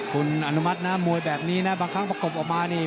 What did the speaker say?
คุณอนุมัตินะมวยแบบนี้นะบางครั้งประกบออกมานี่